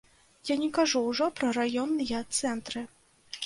Я не кажу ўжо пра раённыя цэнтры.